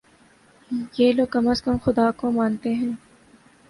یہ لوگ کم از کم خدا کو مانتے ہیں۔